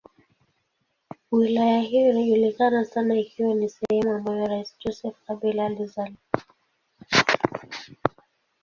Wilaya hiyo inajulikana sana ikiwa ni sehemu ambayo rais Joseph Kabila alizaliwa.